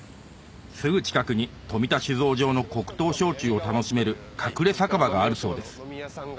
すぐ近くに富田酒造場の黒糖焼酎を楽しめる隠れ酒場があるそうです